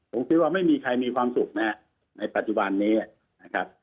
ผมคิดว่าไม่มีใครมีความสุขนะครับในปัจจุบันนี้นะครับ